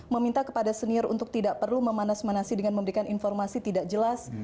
meminta kepada senior untuk tidak perlu memanas manasi dengan memberikan informasi tidak jelas